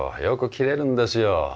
よく切れるんですよ。